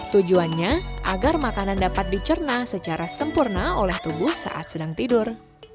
tujuannya agar makanan dapat dicerna secara sempurna oleh tubuh saat sedang tidur